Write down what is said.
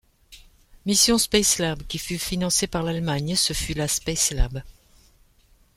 Mission Spacelab qui fut financé par l'Allemagne, ce fut la Spacelab.